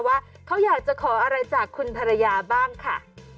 ว่าเขาอยากจะขออะไรจากคุณภรรยาบ้างค่ะ